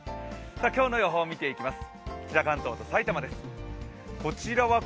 今日の予報見ていきます。